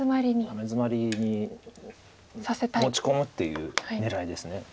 ダメヅマリに持ち込むっていう狙いです。